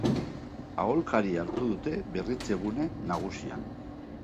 Aholkari hartu dute Berritzegune Nagusian.